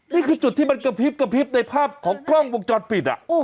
นี่คือจุดที่มันกระพริบกระพริบในภาพของกล้องวงจรปิด